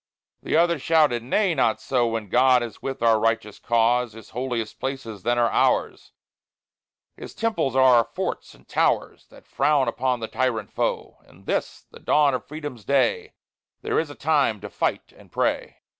The other shouted, "Nay, not so, When God is with our righteous cause; His holiest places then are ours, His temples are our forts and towers That frown upon the tyrant foe; In this, the dawn of Freedom's day, There is a time to fight and pray!"